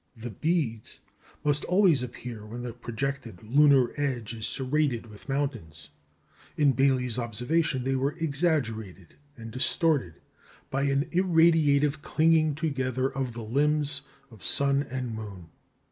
The "Beads" must always appear when the projected lunar edge is serrated with mountains. In Baily's observation, they were exaggerated and distorted by an irradiative clinging together of the limbs of sun and moon.